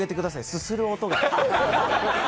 すする音が。